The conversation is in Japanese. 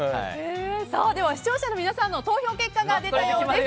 では、視聴者の皆さんの投票結果が出たようです。